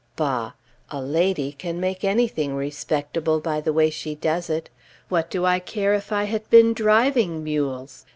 Bah! A lady can make anything respectable by the way she does it! What do I care if I had been driving mules?